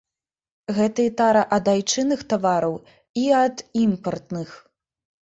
Гэта і тара ад айчынных тавараў, і ад імпартных.